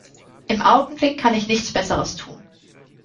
Im Augenblick kann ich nichts besseres tun.